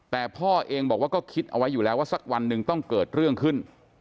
แต่พ่อเองบอกว่าก็คิดเอาไว้อยู่แล้วว่าสักวันหนึ่งต้องเกิดเรื่องขึ้น